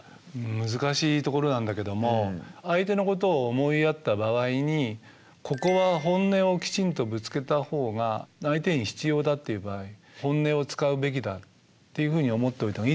難しいところなんだけども相手のことを思いやった場合にここは「本音」をきちんとぶつけた方が相手に必要だっていう場合「本音」を使うべきだっていうふうに思っておいた方がいいと思うんですよね。